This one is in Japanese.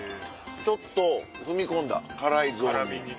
ちょっと踏み込んだ辛いゾーンに。